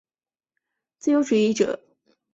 自由主义者坚持国家政府享有有限的权力。